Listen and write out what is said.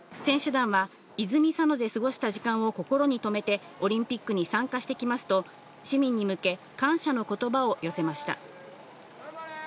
選手団は泉佐野で過ごした時間を心に留めて、オリンピックに参加してきますと市民に向け、感謝の言葉を寄せました。